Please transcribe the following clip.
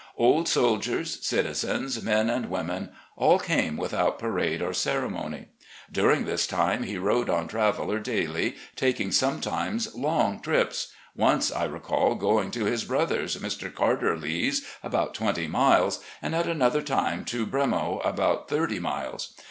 Old soldiers, citizens, men and women, all came without parade or ceremony. During this time he rode on Traveller daily, taking sometimes long trips — once, I recall, going to his brother's, Mr. Carter Lee's, about twenty miles, and at another time to Bremo, about thirty miles.